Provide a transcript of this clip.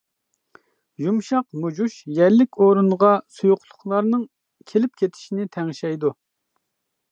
يۇمشاق مۇجۇش يەرلىك ئورۇنغا سۇيۇقلۇقلارنىڭ كېلىپ كېتىشىنى تەڭشەيدۇ.